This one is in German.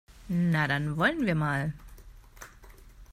Na, dann wollen wir mal!